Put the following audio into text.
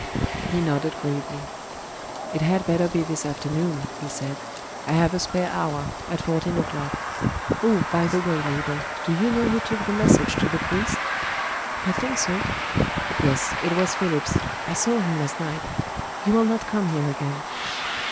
He nodded gravely. "It had better be this afternoon," he said. "I have a spare hour at fourteen o'clock. Oh! by the way, Mabel, do you know who took the message to the priest?" "I think so." "Yes, it was Phillips. I saw him last night. He will not come here again."